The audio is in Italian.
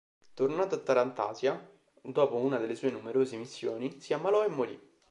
Tornato a Tarantasia dopo una delle sue numerose missioni, si ammalò e morì.